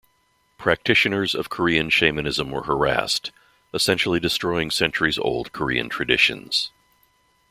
Practitioners of Korean shamanism were harassed, essentially destroying centuries old Korean traditions.